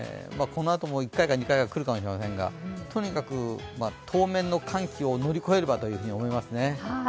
このあとも１回か２回は来るかもしれませんがとにかく当面の寒気を乗り越えればと思いますね。